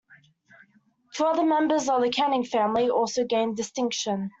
Two other members of the Canning family also gained distinction.